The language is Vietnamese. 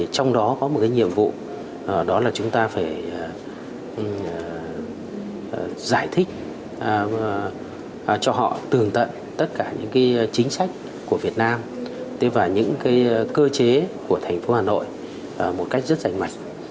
trong đó có một nhiệm vụ đó là chúng ta phải giải thích cho họ tường tận tất cả những chính sách của việt nam và những cơ chế của thành phố hà nội một cách rất rảnh mặt